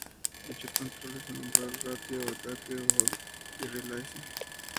Dichos controles son umbral, ratio, ataque, hold y release.